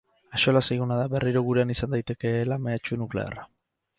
Axola zaiguna da berriro gurean izan daitekeela mehatxu nuklearra.